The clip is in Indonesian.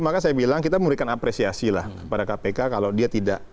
maka saya bilang kita memberikan apresiasi lah kepada kpk kalau dia tidak